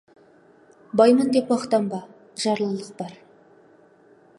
Баймын деп мақтанба, жарлылық бар.